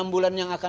enam bulan yang akan